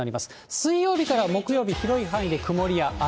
水曜日から木曜日、広い範囲で曇りや雨。